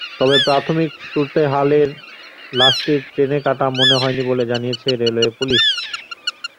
তবে প্রাথমিক সুরতহালে লাশটি ট্রেনে কাটা মনে হয়নি বলে জানিয়েছে রেলওয়ে পুলিশ।